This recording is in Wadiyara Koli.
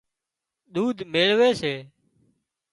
ۮُوڌ ميۯوي سي